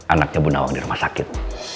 anaknya bu nawang di rumah sakit